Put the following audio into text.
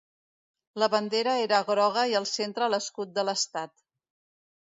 La bandera era groga i al centre l'escut de l'estat.